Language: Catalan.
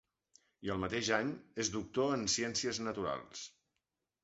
I el mateix any, és doctor en ciències naturals.